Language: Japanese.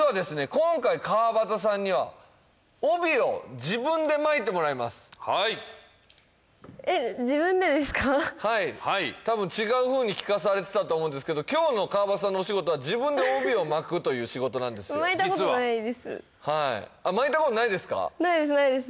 今回川畑さんにははいえっ自分でですかはい多分違うふうに聞かされてたと思うんですけど今日の川畑さんのお仕事は自分で帯を巻くという仕事なんですよ巻いたことないですかないですないです